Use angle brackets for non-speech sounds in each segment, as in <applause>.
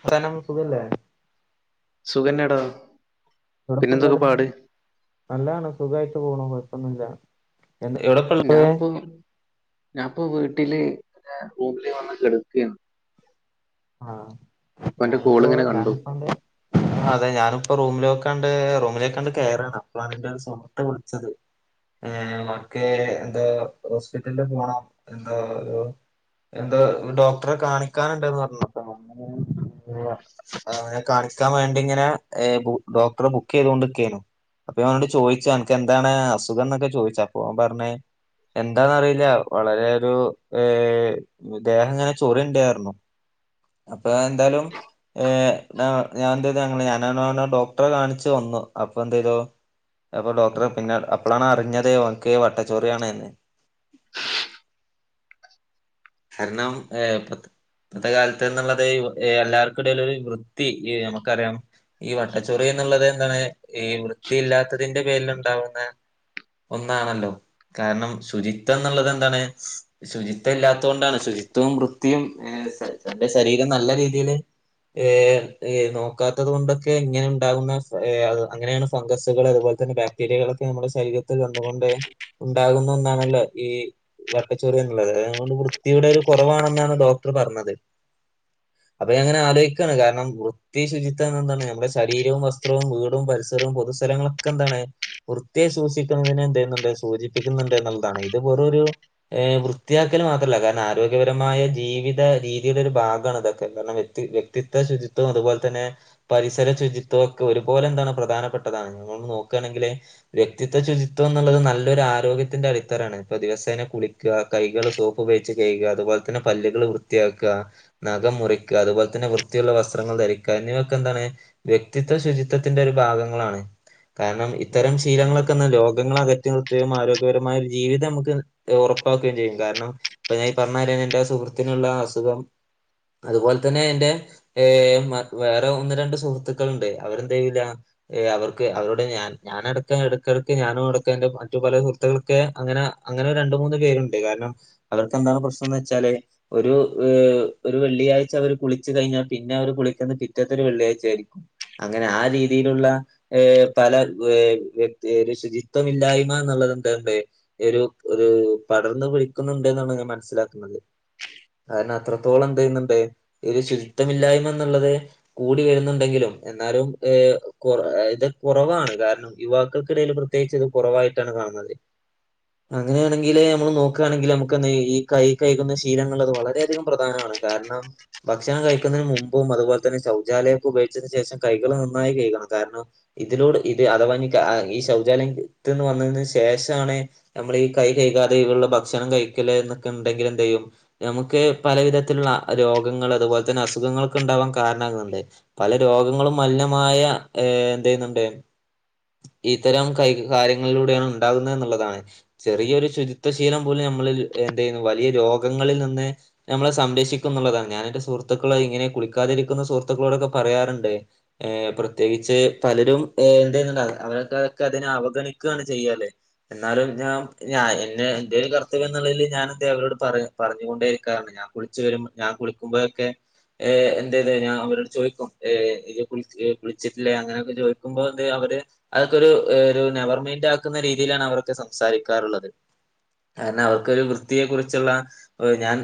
ത്താനം സുഖല്ലേ? സുഖന്നെടാ. എവ്ടെപ്പ പിന്നെന്തൊക്കെ ള്ളത്? പാട് നല്ലാണ് സുഖായിട്ട് പോണു. കൊഴപ്പൊന്നില്ല. എന്ത എവ്ടെ ഞാ പ്പം ഞാൻപ്പൊ വീട്ടില് റൂമില് വന്ന് കെടക്കേന്ന്. ആഹ് അപ്പൊ അന്റെ കോൾ ഞാനിപ്പോ ഇങ്ങനെ കണ്ടു ഞാനിപ്പണ്ട് അതെ ഞാനിപ്പോ റൂമിലോക്കാണ്ട് റൂമിലേക്കാണ്ട് കേറാണ്. അപ്പളാണ് ഇൻ്റൊരു സുഹൃത്ത് വിളിച്ചത്. ഏഹ് ഓൻക്ക് എന്താ ഹോസ്പിറ്റൽല് പോണം എന്താ ഒരു എന്താ ഡോക്ടറെ കാണിക്കാനുണ്ട്ന്ന് പർഞ്ഞപ്പ <unintelligible> അങ്ങനെ കാണിക്കാൻ വേണ്ടി ഇങ്ങനെ ഏഹ് ബു ഡോക്ടറെ ബുക്കെയ്തോണ്ട് നിക്കേന്നു. അപ്പ ഞാൻ ഓനോട് ചോയ്ച്ച്, അൻക്ക് എന്താണ് അസുഖം ന്നൊക്കെ ചോയിച്ച്. അപ്പോൻ പർഞ്ഞ് എന്താന്നറിയില്ല വളരെ ഒരു ഏഹ് ദേഹം ഇങ്ങനെ ചൊറിണ്ട് പർഞ്ഞു. അപ്പ ഞാൻ എന്തായാലും ഏഹ് നാ ഞാൻ എന്തെയ്തു. ഞങ്ങള് ഞാനാനോനെ ഡോക്ടറെ കാണിച്ച് വന്നു. അപ്പൊ എന്തെയ്തു അപ്പൊ ഡോക്ടറെ പിന്നെ അപ്പളാണ് അറിഞ്ഞത് ഓൻക്ക് വട്ടച്ചൊറിയാണ്ന്ന്. കാരണം ഏഹ് ഇപ്പത് ഇപ്പത്തെ കാൽ ത്ത് ന്ന്ള്ളത് ഏഹ് എല്ലാർക്കിടയിലും ഒരു വൃത്തി നമുക്കറിയാം ഈ വട്ടച്ചൊറി എന്നുള്ളത് എന്താണ് ഈ വൃത്തിയില്ലാത്തതിന്റെ പേരിൽ ഉണ്ടാവുന്ന ഒന്നാണല്ലോ. കാരണം ശുചിത്വ എന്നുള്ളത് എന്താണ് ശുചിത്വം ഇല്ലാത്തോണ്ടാണ് ശുചിത്വവും വൃത്തിയും ഏഹ് സ സർന്റെ ശരീരം നല്ല രീതീല് നോക്കാത്തത് കൊണ്ടൊക്കെ ഇങ്ങനെ ഉണ്ടാകുന്ന അങ്ങനെയാണ് ഫംഗസുകൾ അതുപോലെ തന്നെ ബാക് വിരകളൊക്കെ നമ്മുടെ ശരീരത്തിൽ വന്നുകൊണ്ട് ഉണ്ടാകുന്നുന്നാണല്ലോ ഈ വട്ടചൊറിയ എന്നുള്ളത്. അതുകൊണ്ട് വൃത്തിയുടെ ഒരു കുറവാണെന്നാണ് ഡോക്ടർ പറഞ്ഞത്. അപ്പൊ അങ്ങനെ ആലോചിക്കുകാണ്. കാരണം വൃത്തി ശുചിത്വം എന്താണ് നമ്മുടെ ശരീരവും വസ്ത്രവും വീടും പരിസരവും പൊതുസ്ഥലങ്ങളു ക്കെ എന്താണ് വൃത്തിയായി സൂക്ഷിക്കുന്നതിന് എന്ത് ചെയ്യുന്നുണ്ട് സൂചിപ്പിക്കുന്നുണ്ട് എന്നുള്ളതാണ്. ഇത് വെറു ഒരു വൃത്തിയാക്കല് മാത്രല്ല കാരണം ആരോഗ്യപരമായ ജീ വിക്കേണ്ട രീതിടെ ഒരു ഭാഗമാണതൊക്കെ കാരണം വ്യക്തിത്വ ശുചിത്വം അതുപോലെ തന്നെ പരിസര ശുചിത്വക്കെ ഒരുപോലെ എന്താണ് പ്രധാനപ്പെട്ടതാണ്. ഇങ്ങള് നോക്കുകയാണെങ്കില് വ്യക്തിത്വ ശുചിത്വമെന്നുള്ളത് നല്ലൊരു ആരോഗ്യത്തിന്റെ അടിത്തറാണ്. ഇപ്പൊ ദിവസേന കുളി കൈകൾ സോപ്പ് ഉപയോഗിച്ച് കഴുക. അതുപോലെ തന്നെ പല്ലുകള് വൃത്തിയാക് ക്കുക നഖം മുറിക്കുക അതുപോലെ തന്നെ വൃത്തിയുള്ള വസ്ത്രങ്ങൾ ധരിക്കുക എന്നിവയൊക്കെ എന്താണ് വ്യക്തിത്വശുചിത്വത്തിൻ്റെ ഒരു ഭാഗങ്ങളാണ്. കാരണം ഇത്തരം ശീലങ്ങളൊക്കെന്ന് രോഗങ്ങള അകറ്റി നിറുത്തുകയും ആരോഗ്യപരമായ ഒരു ജീവിതം നമുക്ക് ഉറപ്പാക്കുകയും ചെയ്യും. കാരണം ഇപ്പൊ ഞാൻ ഈ പറഞ്ഞാര്യം എന്റെ സുഹൃത്തിനുള്ള അസുഖം അതുപോലെ തന്നെ എൻ്റെ വേറെ ഒന്ന് രണ്ട് സുഹൃത്തുകള്ണ്ട് അവരെന്തയൂല ഏ അവർക്ക് അവരോട് ഞാൻ ഞാനടക്ക് ഇടക്കിടക്ക് ഞാനും ഉടക്കൻന്റെ മറ്റു പല തുകൾക്ക് അങ്ങനെ അങ്ങനെ രണ്ട് മൂന്ന് പേരുണ്ട് കാരണം അവർക്കന്താണ് പ്രശ്നം എന്ന് വെച്ചാല് ഒരു ഏഹ് ഒരു വെള്ളിയാഴ്ച അവര് കുളിച്ചു കഴിഞ്ഞാൽ പിന്നെ അവർ കുളിക്കുന്നത് പിറ്റെതൊരു വെള്ളിയാഴ്ച ആയിരിക്കും. അങ്ങനെ ആ രീതിയിലുള്ള ഏർ പല വ്യക്തി ശുചിത്വം ഇല്ലായ്മ എന്നുള്ളതൊണ്ട്. ഒരു പടർന്ന് പിടിക്കുന്നുണ്ട് എന്നാണ് ഞാൻ മനസ്സിലാക്കുന്നത്. കാരണം അത്രത്തോളം എന്തയ്ന്നുണ്ട് ഒരു ശുചിത്വമില്ലായ്മ എന്നുള്ളത് കൂടി വരുന്നുണ്ടെങ്കിലും എന്നാലും ഇത് കുറവാണ്. കാരണം യുവാക്കൾക്കിടയിൽ പ്രത്യേകിച്ച് ഇത് കുറവായിട്ടാണ് കാണുന്നത്. അങ്ങനെയാണെങ്കില് നമ്മള് നോക്കുകയാണെങ്കില് നമുക്ക് ഈ കൈ കയ്കുന്ന ശീലങ്ങൾ അത് വളരെ വളരെയധികം പ്രധാനമാണ് കാരണം ഭക്ഷണം കഴിക്കുന്നതിന് മുമ്പും അതുപോലെ തന്നെ ശൗചാലയൊക്കെ ഉപയോഗിച്ചതിനു ശേഷം കൈകള് നന്നായി കയ്കണം. കാരണം ഇതിലൂട് ഇത് അഥവാ ഈ ശൗചാലയത്ത്ന്ന് വന്നതിന് ശേഷാണ് നമ്മൾ ഈ കൈ കയികാതെയുള്ള ഭക്ഷണം കഴിക്കല് എന്നൊക്കെ ഉണ്ടെങ്കിൽ എന്തെയ്യും നമ്മക്ക് ഒക്കെ പല വിധത്തിലുള്ള രോഗങ്ങൾ അതുപോലെ തന്നെ അസുഖങ്ങളും ഇണ്ടാവാൻ കാരണാകുന്നുണ്ട്. പല രോഗങ്ങളും മലിനമായ എന്തെയുന്നുണ്ട് ഇത്തരം കൈ കാര്യങ്ങളിലൂടെയാണ് ഉണ്ടാകുന്നത് എന്നുള്ളതാണ് ചെറിയൊരു ശുചിത്വശീലം പോലും നമ്മളിൽ എന്തയ്യുന്നു വലിയ രോഗങ്ങളിൽ നിന്ന് നമ്മളെ സംരക്ഷിക്കും എന്നുള്ളതാണ്. ഞാന് എന്റെ സുഹൃത്തുക്കളെ ഇങ്ങനെ കുളിക്കാതിരിക്കുന്ന സുഹൃത്തുക്കളോടൊക്കെ പറയാറുണ്ട് ഏ പ്രത്യേകിച്ച് പലരും എന്തെയുന്നുണ്ടാകാം അവരൊക്കെ അതൊക്കെ അതിനെ അവഗണിക്കുകയാണ് ചെയാലെ. എന്നാലും ഞാൻ ഞാ എന്നെ എന്റെ ഒരു കർത്തവ്യം എന്നുള്ളതിൽ ഞാൻ അവരോട് പറയാം. പറഞ്ഞുകൊണ്ടേരിക്കാറ്ണ്ട്. ഞാൻ കുളിച്ച് വരു ഞാൻ കുളിക്കുമ്പോഴൊക്കെ ഏ എന്തത ഞാൻ അവരോട് ചോദിക്കും. കുളിച്ചിട്ടില്ലേ? അങ്ങനെയൊക്കെ ചോദിക്കുമ്പോ അവര് അതൊക്കെ ഒരു ഒരു നെവർമെന്റ് ആക്കുന്ന രീതിയിലാണ് അവരൊക്കെ സംസാരിക്കാറുള്ളത്. കാരണം അവർക്കൊരു വൃത്തിയെ കുറിച്ചുള്ള ഞാൻ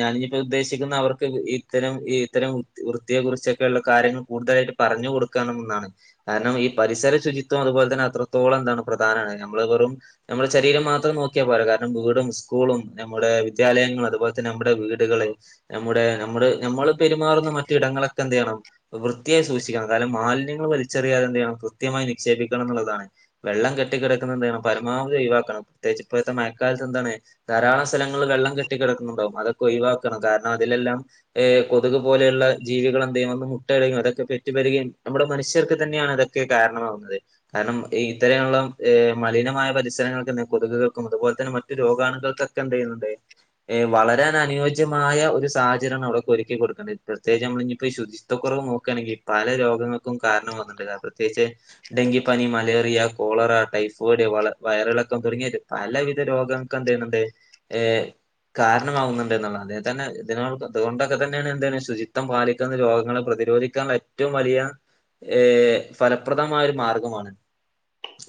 ഞാനിനിപ്പോ ഉദ്ദേശിക്കുന്നെ അവർക്ക് ഇത്തരം ഇത്തരം വൃത്തിയെ കുറിച്ചൊക്കെയുള്ള കാര്യങ്ങൾ കൂടുതലായിട്ട് പറഞ്ഞു കൊടുക്ക എന്നാണ്. കാരണം ഈ പരിസര ശുചിത്വം അതുപോലെ തന്നെ അത്രത്തോളം എന്താണ് പ്രധാനാണ് നമ്മള് വെറും നമ്മുടെ ശരീരം മാത്രം നോക്കിയാൽ പോരാ കാരണം വീടും സ്കൂളും നമ്മുടെ വിദ്യാലയങ്ങളൾ അതുപോലെ തന്നെ നമ്മുടെ വീടുകള് നമ്മുടെ നമ്മള് നമ്മള് പെരുമാറുന്ന മറ്റു ഇടങ്ങളക്കെ എന്തെയ്യണം വൃത്തിയായി സൂക്ഷിക്കണം കാരണം മാലിന്യങ്ങള് വലിച്ചറിയാതെ എന്തെയ്യണം സൂ കൃത്യമായി നിക്ഷേപിക്കണം ന്ന്ള്ളതാണ് വെള്ളം കെട്ടിക്കിടക്ക്ന്ന എന്തെയ്യണം പരമാവധി ഒഴിവാക്കണം പ്രത്യേകിച്ച് ഇപ്പഴത്തെ മഴക്കാലത്ത് എന്താണ് ധാരാളം സ്ഥലങ്ങള്ല് വെള്ളം കെട്ടി കിടക്കുന്നുണ്ടാാവും അതൊക്കെ ഒഴിവാക്കണം കാരണം അതിലെല്ലാം ഏഹ് കൊതുക് പോലെയുള്ള ജീവികൾ എന്തെയ്യും വന്ന് മുട്ട ഇടയും അതൊക്കെ പെറ്റ് പേരികിയും നമ്മുടെ മനുഷ്യർക്ക് തന്നെയാണ് അതൊക്ക് ക്കെ കാരണമാവുന്നത് കാരണം ഈത്തരെയുള്ളേ ഏ് മലിനമായ പരിസരങ്ങൾക്ക് എന്തെ കൊതുകൾക്കും അതുപോൽതന്നെ മറ്റു രോഗാണുകൾക്കെ ക്കെന്തെയ്യുന്നുണ്ട് ഏഹ് വളരാൻ അനുയോജ്യമായ ഒരു സാഹചര്യ ആണ് അവ്ടെക്കെ ഒരുക്കി കൊടുക്കണ്ടെത് പ്രത്യേകിച്ച് അമ്മളിഞിപ്പ സ്വശി ത്തക്കൊറവ് ന്നോക്ക്ആണെങ്കി പല രോഗങ്ങൾക്കും കാരണമാവ്ന്ന്ണ്ട് അത് ത്യേകിച്ച് ഡെങ്കി പനി മലേറിയ കോളറ ടൈഫോയിഡ് വള വയറിളക്കം തൊടങ്ങേത് പലവിധ രോഗങ്ങൾക്ക് എന്ത് എയ്യ്ന്ന്ണ്ട് ഏ്ഹ് കാരണമാവുന്നുണ്ട് എന്നുള്ളതാ അതേ തന്നെ ഇതിനോൾക്ക് അതുകൊണ്ടൊക്കെ തന്നേണ് എന്തയ്യ്ണ് ശുചിത്തം പാലിക്കുന്ന രോഗങ്ങളെ പ്രതിരോധി ക്കാണ് എറ്റവും വലിയ ഏഹ് ഫലപ്രദമായ ഒരു മാർഗമാണ്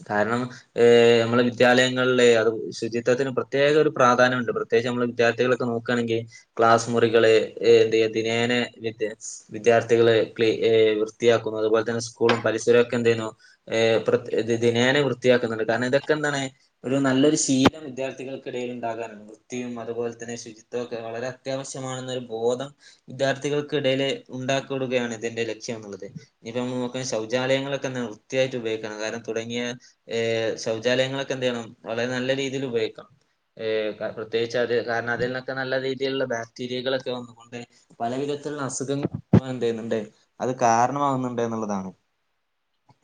കാരണം ഏ്ഹ് അമ്മളെ വിദ്യാലയങ്ങൾള് അത് ശുചിത്വത്തിന് പ്രത് ത്യേക ഒരു പ്രാധാന്യ ഉണ്ട് പ്രത്യേകിച്ച് ഞമ്മളെ വിദ്യാർത്ഥികള് ക്ക ന്നോക്കാണെങ്കി ക്ലാസ് മുറികള് ഏത് എത്ദിനേനെ വ്യറ്റ്യാസ് വിദ്യാർത്ഥികള് ക്ലീ ഏഹ് വൃത്തിയാക്കുന്നു അതുപോൽതന്നെ സ്കൂളും പരിസരൊം ഒക്കെ എന്തെയ്യുന്നു ഏഹ് പ്രത് ദി ദിനേന വൃത്തിയാക്ക്ന്ന്ണ്ട് കാരണം ഇതൊക്കെ എന്താണ് ഒരു ന്നല്ലൊരു ശീലം വിദ്യാർത്ഥികൾക്കിടയില് ഇണ്ടാകാനാണ് വൃത്തിയും അതുപോൽതന്നെ ശുചിത്വം ഒക്കെ വളരെ അത്യാവശ്യമാണെന്നൊരു ബോധം വിദ്യാർത്ഥികൾക്കിടയില് ഉണ്ടാക്കികൊടുകയാണ് ഇതിന്റെ ലക്ഷ്യം എന്നുള്ളത് <unintelligible> ശൗച ചാലയങ്ങളൊക്കെ നൃർത്തിയായിറ്റ് ഉപയോഗിക്കണം കാരണം തുടങ്ങിയ ഏഹ് ശൗചാലയങ്ങളെക്കെ എന്തയ്യണം വളരെ ന്നല്ല രീതിയില് ഉപയോഗിക്കണം ഏഹ് <unintelligible> ത്യേകിച്ച് അത് കാരണം അതിൽന്നൊക്കെ ന്നല്ല രീതിയിലുള്ള ബാക്ടീരിയകളൊക്കെ വന്നുകൊണ്ടേ പല വിധത്തിലുള്ള അസുഖങ്ങൾക്കും എന്തെയ്യുന്നുണ്ട് അത് കാരണമാകുന്നുണ്ട് എന്ന്ള്ളതാണ്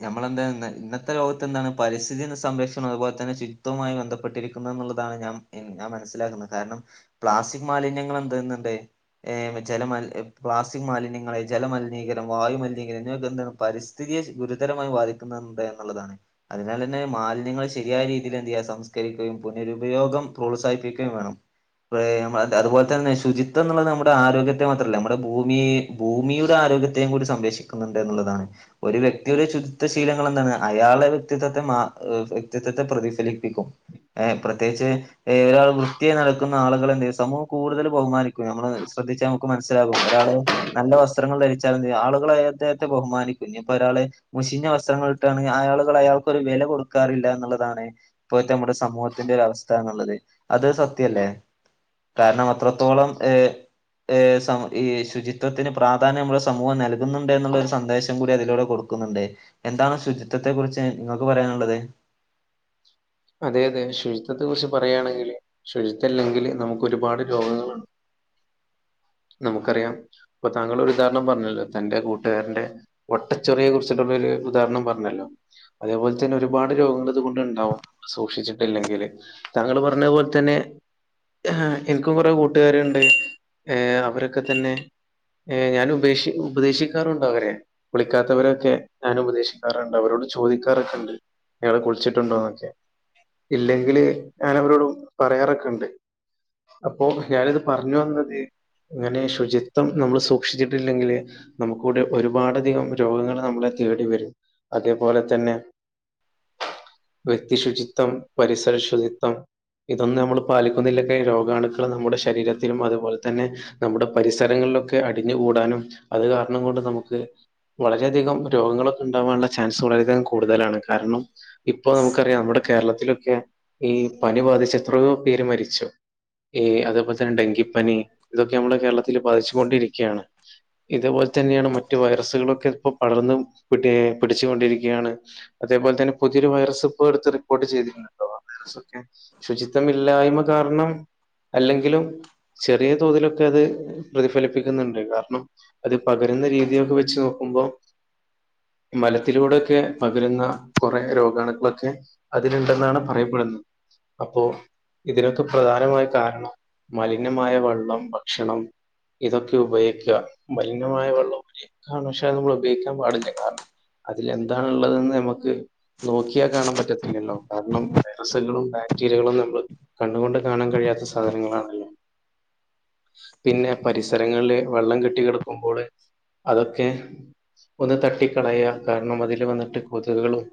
നമ്മളെന്താ ഇന്ന് ഇന്നത്തെ ലോകത്ത് എന്താണ് പരിസ്ഥിതീനെ സംരക്ഷണം അതുപോൽതന്നെ ശുചിത്വവുമായി ബന്ധപ്പെട്ടിരിക്കുന്ന എന്നുള്ളതാണ് ഞാം ഇൻ ഞാൻ മനസ്സിലാക്കുന്നെ കാരണം പ്ലാസ്റ്റിക് മാലിന്യങ്ങൾ എന്തഎയ്യ്ന്ന്ണ്ട് ഏഹ് ജലമൽ പ്ലാസ്റ്റിക് മാലിന്യങ്ങളെ ജലമലിനീകരണം വായുമലിനീകരണം എന്നിവൊക്കെന്താണ് പരിസ് സ്ഥിതിയെ ഗുരുതരമായി ബാധിക്കുന്ന എന്ന് എന്ന്ള്ളതാണ് അതിനാൽ എന്നെ മാലിന്യങ്ങളെ ശെരിയായ രീതിയിൽ എന്ത് എയ്യാ സംസ്കരിക്കുകയും പുനരുപയോഗം പ്രോത്സാഹിപ്പിക്കുകയും വേണം പ്രേമ അത് അതുപോൽതന്നെ ശുചിത്വംന്നുള്ളത് ന്നമ്മുടെ ആരോഗ്യത്തെ മാത്രല്ല നമ്മുടെ ഭൂമിയേ ഭൂമിയുടെ ആരോഗ്യത്തെയും കൂടി സംരക്ഷിക്കുന്ന്ണ്ട് എന്നുള്ളതാണ് ഒരു വ്യക്തിയുടെ ശുചിത്വ ശീലങ്ങളെന്താണ് അയാളേ വ്യക്തിത്വത്തെ മാ ഏ്, വ്യക്തിത്വത്തേ പ്രതിഫലിപ്പിക്കും ഏഹ് പ്രത്യേകിച്ച് ഏഹ് ഒരാൾ വൃത്തിയായി ന്നടക്കുന്ന ആളുകളെ എന്തെയ്യും സമൂഹം കൂടുതൽ ബഹുമാനി ക്കും ന്നമ്മളത് ശ്രദ്ധിച്ചാൽ അമുക്ക് മനസ്സിലാകും ഒരാള് ന്നല്ല വസ് ത്രങ്ങള് ധരിച്ചാലെന്തെയ്യും ആളുകള് ളഅദ്ദേഹത്തെ ബഹുമാനി ഇഞ്ഞിപ്പൊരാള് മുഷിഞ്ഞ വസ്ത്രങ്ങള് ഇട്ടാണെങ്കി അയാള്കൾ അയാൾക്കൊരു വെല കൊടുക്കാറില്ല എന്നുള്ളതാണ് ഇപ്പോഴത്തെ തമ്മുടെ സമൂഹത്തിന്റെ ഒരവസ്ഥാന്നുള്ളത് അത് സത്യല്ലേ കാരണം അത്രത്തോളം ഏ് ഏ് സമം ഈ ശുചി ത്യത്തിന് പ്രാധാന്യം അമ്മള് സമൂഹം നൽകുന്നുണ്ട് എന്നുള്ളൊരു സന്ദേശ് വും കൂടി അതിലൂടെ കൊടുക്കുന്നുണ്ട് എന്താണ് ശുചിത്വത്തെ കുറിച്ച് ഇങ്ങക്ക് പറയാനുള്ളത് അതേ അതേ ശുചിത്വത്തെ കുറിച്ച് പറയാണെങ്കില് ശുചിത്വല്ലെങ്കില് ന്നമുക്ക് ഒരുപാട് രോഗങ്ങള് ന്നമുക്കറിയാം ഇപ്പൊ താങ്കളൊരു ഉദാഹരണം പറഞ്ഞല്ലോ തന്റെ കൂട്ടാരന്റെ വട്ടച്ചൊറിയെ കുറിച്ചിട്ട്ള്ളൊര് ഉദാഹരണം പർഞ്ഞല്ലോ അതേപോൽ തന്നെ ഒരുപാട് രോഗങ്ങൾ അതുകൊണ്ട് ഇണ്ടാഉം സൂക്ഷിച്ചിട്ടില്ലെങ്കില് താങ്കൾ പർഞ്ഞ പോൽ തന്നെ ആഹ് എൻക്കും കൊറേ കൂട്ടുകാര് ഇണ്ട് ഏഹ് അവരൊക്കതന്നേ ഏഹ് ഞാന് ഉപേശികും ഉപദേശിക്കാറുണ്ടവരേ കുളിക്കാത്തവരേഒക്കെ ഞാന് ഉപദേശിക്കാറാണ്ട് അവരോട് ചോദിക്കാറൊക്കെണ്ട് ഇയാള് കുളിച്ചിട്ടുണ്ടോന്നൊക്കെ ഇല്ലെങ്കില് ഞാന അവരോടും പറയാറൊക്കെണ്ട് അപ്പോ ഞാനിത് പറഞ്ഞു വന്നത് ഇങ്ങനെ ശുചിത്വം ന്നമ്മള് സൂക്ഷിച്ചിട്ടില്ലങ്കില് ന്നമുക്കൂടി ഒരുപാട അധികം രോഗങ്ങള് നമ്മളെ തേടി വെരും അതേപോല തന്നെ വ്യക്തി ശുചി ത്തം പരിസര ശുചിത്തം ഇതൊന്നും ന്നമ്മൾ പാലിക്കുന്നില്ലൊക്കെ രോഗാണുക്കൾ നമ്മുടെ ശരീരത്തിലും അതുപോലെ തന്നെ ന്നമ്മുടെ പരിസരങ്ങളിലൊക്കെ അടിഞ് കൂടാനും അത് കാരണംകൊണ്ട് ന്നമുക്ക് വളരെയധികം രോഗങ്ങളൊക്കെ ഉണ്ടാാവാനുള്ള ചാൻസ് വളരെയധികം കൂടുതലാണ് കാരണം ഇപ്പൊ ന്നമുക്കറിയാം ന്നമ്മുടെ കേരളത്തിലൊക്കെ ഈ പനി ബാധിച്ച എത്രയോ പേര് മരിച്ചു. ഹി അതേപോലെതന്നെ ഡെങ്കിപ്പനി ഇതൊക്കെ ന്നമ്മളെ കേരളത്തിൽ ബാധിച്ചുകൊണ്ടിരിക്കെയാണ്. ഇതേപോലെ തന്നെയാണ് മറ്റ് വൈറസുകളൊക്കെ ഇപ്പോ പടർന്ന് ഏ പിടിച്ചുകൊണ്ടിരിക്കുകയാണ്. അതേപോലെതന്നെ പുതിയൊരു വൈറസ്പ്പോ എടുത്ത് റിപ്പോർട്ട് ചെയ്തിട്ടുണ്ടല്ലോ ആഹ് വൈറസ് ശുചിത്വമില്ലായ്മ കാരണം അല്ലെങ്കിലും ചെറിയെ തോതിലൊക്കെ അത് പ്രതിഫലിപ്പിക്കുന്നുണ്ട് കാര്ണം അത് പകരുന്ന രീതിയൊക്കെ വെച്ച് നോക്കുമ്പോൾ മലത്തിലൂടെയൊക്കെ പകരുന്ന കൊറെ രോഗാണുക്കളൊക്കെ അതില്ണ്ടെന്നാണ് പറയപ്പെടുന്നത് അപ്പോ ഇതിനൊക്കെ പ്രധാനമായ കാരണം മലിനമായ വള്ളം, ഭക്ഷണം ഇതൊക്കെ ഉപയോഗിക്കുക മലിനമായ വെള്ളംപയാക്കാന്ന് പക്ഷെ ന്നമ്മൾ ഉപയോഗിക്കാൻ പാടില്ല കാരണം അതിൽന്താണള്ളതെന്ന് ന്നമ്മക്ക് നോക്കിയാൽ കാണാൻ പറ്റത് ത്തിഇല്ലല്ലോ കാരണം വൈറസുകളും ബാക്ടീരിയകളും ന്നമ്മള് കണ്ണ് കൊണ്ട് കാണാൻ കഴിയാത്ത സാധനങ്ങളാണല്ലോ? പിന്നെ പരിസരങ്ങളില് വെള്ളം കെട്ടി കിടക്കുമ്പോള് അതൊക്കെ ഒന്ന് തട്ടിക്കളയ കാരണം അതിൽ വന്നിട്ട് കൊതുകളും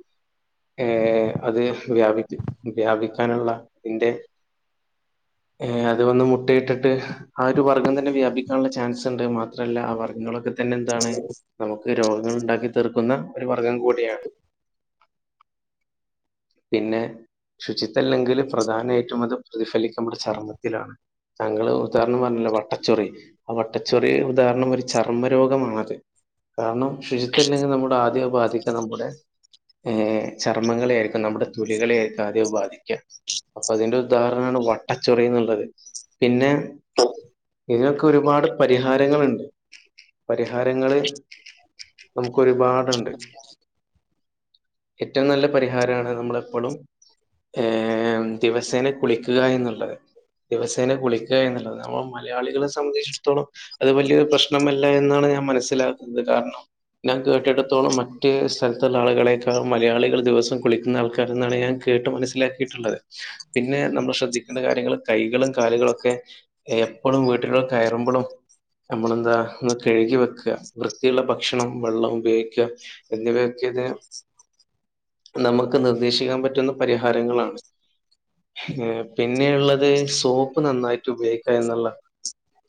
ഏഹ് അത് വ്യാപിക്കും വ്യാപിക്കാനുള്ള അതിന്റെ ഏഹ് അത് വന്ന് മുട്ടയിട്ടിട്ട് ആഹ് ഒരു വർഗ്ഗം തന്നെ വ്യാപിക്കാനുള്ള ചാൻസ് ഉണ്ട് മാത്രമല്ല ആഹ് വർഗങ്ങളൊക്കെ തന്നെ എന്താണ് ന്നമുക്ക് രോഗങ്ങൾ ഉണ്ടാക്കി തീർക്കുന്ന ഒരു വർഗ്ഗം കൂടിയാണ്. പിന്നെ ശുചിത്വമല്ലെങ്കിൽ പ്രധാനമായിട്ടും അത് പ്രതിഫലിക്ക ന്നമ്മളെ ചർമ്മത്തിലാണ് താങ്കൾ ഉദാഹരണം പറഞ്ഞല്ലോ വട്ടച്ചൊറി ആഹ് വട്ടച്ചൊറിയ ഉദാഹരണം ഒരു ചർമ്മരോഗമാണത്. കാരണം ശുചിത്വല്ലെങ്കിൽ നമ്മുടെ ആദ്യം ബാധിക്ക ന്നമ്മുടെ ഏഹ് ചർമ്മങ്ങളെ ന്നമ്മടെ തൊലികളെയായിരിക്കും ആദ്യം അത് ബാധിക്ക. അപ്പൊ അതിന്റെ ഉദാഹരണമാണ് വട്ടച്ചൊറി എന്നുള്ളത് പിന്നെ ഇതിനൊക്കെ ഒരുപാട് പരിഹാരങ്ങള്ണ്ട് പരിഹാരങ്ങള് ന്നമുക്ക് ഒരുപാടുണ്ട് ഏറ്റവും ന്നല്ലോം പരിഹാര ഹാരാണ് ന്നമ്മളെപ്പോഴും ഏ ദിവസേന കുളിക്കുക എന്നുള്ളത്. ദിവസേന കുളിക്കുക എന്നുള്ളത് ന്നമ്മൾ മലയാളികളെ സംബന്ധിച്ചിടത്തോളം അത് വല്ല്യൊരു പ്രശ്നമല്ല എന്നാണ് ഞാൻ മനസ്സിലാക്കുന്നത് കാരണം ഞാൻ കേട്ടിടത്തോളം മറ്റ് സ്ഥലത്തുള്ള ആളുകളെക്കാൾ മലയാളികൾ ദിവസം കുളിക്കുന്ന ആൾക്കാരന്നാണ് ഞാൻ കേട്ട് മനസ്സിലാക്കിയിട്ടുള്ളത് പിന്നെ ന്നമ്മള് ശ്രദ്ധിക്കേണ്ട കാര്യങ്ങള് കൈകളും കാലുകളൊക്കെ എപ്പളും വീട്ടില് കയറുമ്പളും ന്നമ്മളെന്താ ഒന്ന് കഴുകി വെക്കാ വൃത്തിയുള്ള ഭക്ഷണം വെള്ളം ഉപയോഗിക്കാ എന്നിവയൊക്കെ ഇത് നമുക്ക് നിർദ്ദേശിക്കാൻ പറ്റുന്ന പരിഹാരങ്ങളാണ് ഏഹ് പിന്നെയ്ള്ളത് സോപ്പ് നന്നായിട്ട് ഉപയോഗിക്കാ എന്ന്ള്ള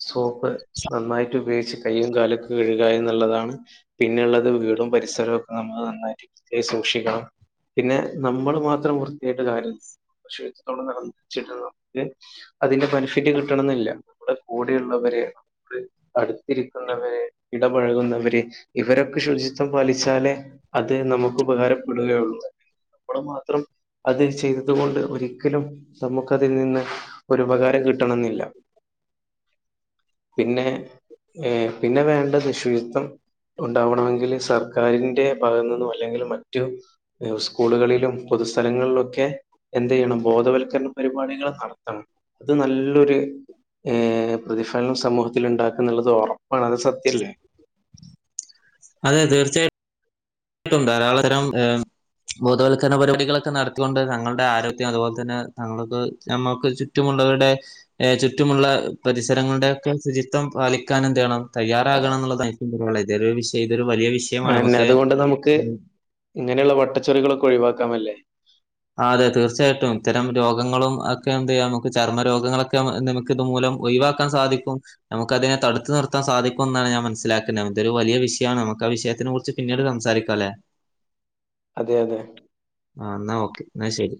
സോപ്പ് നന്നായിട്ടുപയോഗിച്ച് കയ്യും കാലൊക്കെ കഴുക എന്ന്ള്ളതാണ് പിന്നെള്ളത് വീടും പരിസരക്കെ നമ്മള് നന്നായിട്ട് വൃത്തിയായി സൂക്ഷിക്കണം പിന്നെ ന്നമ്മള് മാത്രം വൃത്തിയായിട്ട് കാര്യല്ല <unintelligible> അതിന്റെ ബെനഫിറ്റ് കിട്ടണംന്നില്ല നമ്മുടെ കൂടെള്ളവര് ര് അടുത്തിരിക്കുന്നവര് ഇടപഴകുന്നവര് ഇവരൊക്കെ ശുചി ത്തം പാലിച്ചാലേ അത് നമുക്ക് ഉപകാരപ്പെടുകയൊള്ളു നമ്മള് മാത്രം അത്ചെയ്തത് കൊണ്ട് ഒരിക്കലും നമ്മുക്കതിൽ നിന്ന് ഒരു ഉപകാരം കിട്ടെണംന്നില്ല പിന്നെ ഏഹ് പിന്നെ വേണ്ടെത് ശുചിത്വം ഉണ്ടാവണമെങ്കില് സർക്കാരിന്റെ ഭാഗത്ത് നിന്നും അല്ലെങ്കില് മറ്റു ഏഹ് ഉസ്കൂള്കളിലും പൊതുസ്ഥലങ്ങളില്വൊക്കെ എന്തെയ്യണം ബോധവൽക്കരണ പരിപാടികള് നടത്തണം അത് നല്ലൊര് ഏഹ് പ്രതിഫലനം സമൂഹത്തില് ഇണ്ടാക്കുംന്ന്ള്ളത് ഒറപ്പാണ് അത് സത്യല്ലേ അതെ തീർച്ചയാ യിട്ടും ധാരാള തരം ഏഹ് ബോധവത്ക്കരണ പരിപാടികളൊക്കെ നടത്തിയോണ്ടെന്നെ ഞങ്ങളുടെ ആരോഗ്യം അതുപോൽതന്നെ ഞങ്ങക്ക് ഞമ്മക്ക് ചു റ്റുമുള്ളവരുടെ ഏഹ് ചുറ്റുമുള്ള പരിസരങ്ങളുടെയൊക്കെ ശുചിത്വം പാലിക്കാൻ എന്ത് ചെയ്യണം തയ്യാറാകണം ന്ന്ള്ളതായി <unintelligible> ഇത്പോലൊരു വിഷയം ഇതൊരു വലിയ വിഷ് അയന്നെ അതുകൊണ്ട് നമുക്ക് ഇങ്ങനെയുള്ള വട്ടച്ചൊറികളൊക്കെ ഒഴിവാക്കാമല്ലേ ആഹ് അതെ തീർച്ചയായിട്ടും ഇത്തരം രോഗങ്ങളും ഒക്കെ എന്ത് ചെയ്യാം നമുക്ക് ചർമ്മ രോഗങ്ങളൊക്കെ നമു ന്ത് നമു ക്ക്ത് മൂലം ഒഴിവാക്കാൻ സാധിക്കും നമുക്കതിനെ തടുത്തു നിർത്താൻ സാധിക്കും എന്നാണ് ഞാൻ മനസ്സിലാക്കുന്നത് ഇതൊരു വലിയ വിഷയമാണ് നമുക്ക് ആ വിഷയത്തിനെ കുറിച്ച് പിന്നീട് സംസാരിക്കാ അല്ലെ അതെ അതെ ആഹ് അന്നാ ഓക്കെ എന്നാശെരി